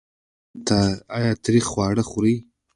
ایا تریخ خواړه خورئ؟